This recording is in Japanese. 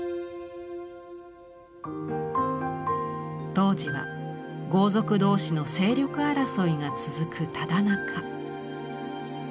当時は豪族同士の勢力争いが続くただ中。